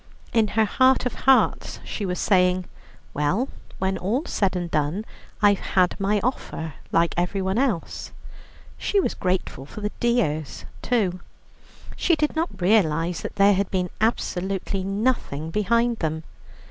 In her heart of hearts she was saying: "Well, when all's said and done, I've had my offer like everyone else." She was grateful for the "dears" too. She did not realize that there had been absolutely nothing behind them.